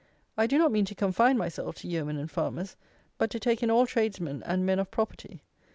I do not mean to confine myself to yeomen and farmers, but to take in all tradesmen and men of property.